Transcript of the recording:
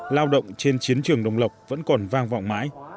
lao động trên chiến trường đồng lộc vẫn còn vang vọng mãi